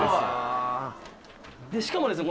しかもですね